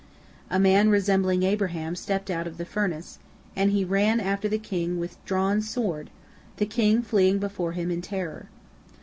A man resembling Abraham stepped out of the furnace, and he ran after the king with drawn sword, the king fleeing before him in terror.